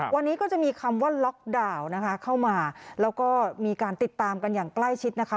วันนี้ก็จะมีคำว่าล็อกดาวน์นะคะเข้ามาแล้วก็มีการติดตามกันอย่างใกล้ชิดนะคะ